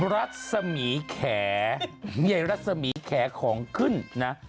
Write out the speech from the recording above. รัศมีแขในรัศมีแขของขึ้นนะ